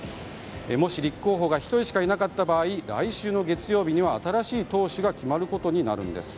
もし立候補が１人しかいなかった場合来週の月曜日には新しい党首が決まることになるんです。